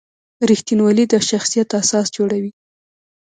رښتینولي د شخصیت اساس جوړوي.